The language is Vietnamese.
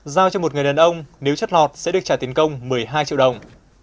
giao cho một người đàn ông nếu chất lọt sẽ được trả tiền công một mươi hai triệu đồng